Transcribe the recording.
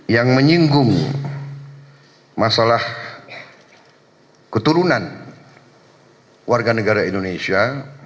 yang menyinggung masalah keturunan warga negara indonesia